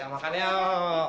yuk makan yuk